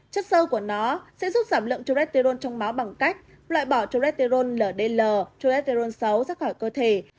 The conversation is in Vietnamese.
chất sâu của nó sẽ giúp giảm lượng trô re tê rôn trong máu bằng cách loại bỏ trô re tê rôn ldl trô re tê rôn xấu ra khỏi cơ thể